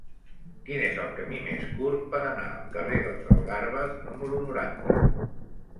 Quin és el camí més curt per anar al carrer dels Algarves número noranta?